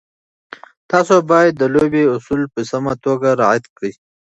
تاسو باید د لوبې اصول په سمه توګه رعایت کړئ.